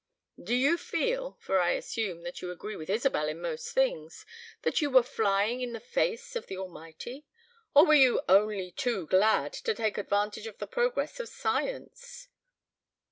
Did you feel for I assume that you agree with Isabel in most things that you were flying in the face of the Almighty? Or were you only too glad to take advantage of the progress of science?"